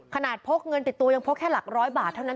พกเงินติดตัวยังพกแค่หลักร้อยบาทเท่านั้น